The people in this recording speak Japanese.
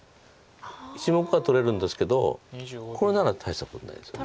１目は取れるんですけどこれなら大したことないですよね。